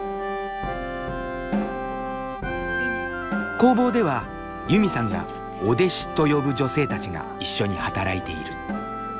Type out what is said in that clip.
工房ではユミさんが「お弟子」と呼ぶ女性たちが一緒に働いている。